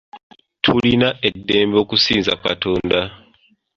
Tulina eddembe okusinza Katonda.